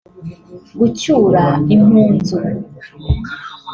gucyura impunzu